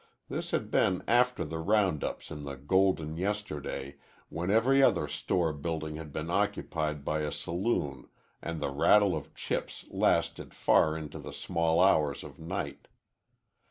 This had been after the round ups in the golden yesterday when every other store building had been occupied by a saloon and the rattle of chips lasted far into the small hours of night.